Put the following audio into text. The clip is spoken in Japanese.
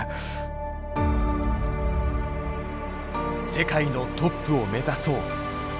「世界のトップを目指そう」。